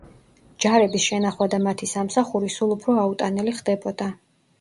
ჯარების შენახვა და მათი სამსახური სულ უფრო აუტანელი ხდებოდა.